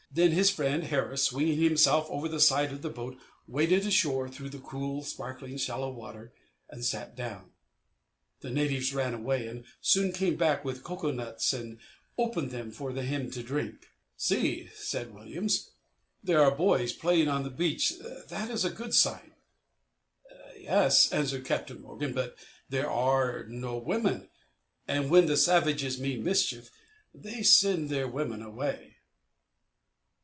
Then his friend, Harris, swinging himself over the side of the boat, waded ashore through the cool, sparkling, shallow water and sat down. The natives ran away, but soon came back with cocoa nuts and opened them for him to drink. "See," said Williams, "there are boys playing on the beach; that is a good sign." "Yes," answered Captain Morgan, "but there are no women, and when the savages mean mischief they send their women away."